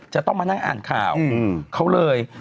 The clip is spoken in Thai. จะต้องมานั่งอ่านข่าวเขาเลย